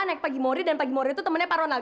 naik pagi mori dan pagi morid itu temennya pak ronald